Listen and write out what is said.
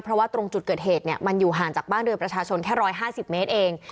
เพราะว่าตรงจุดเกิดเหตุมันอยู่ห่างจากบ้านเรือประชาชนแค่๑๕๐เมตรเอง